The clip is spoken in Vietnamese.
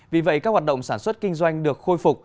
vì vậy các hoạt động sản xuất kinh doanh được khôi phục